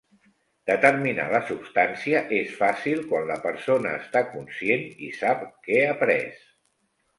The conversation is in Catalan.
Determinar la substància és fàcil quan la persona està conscient i sap què ha pres.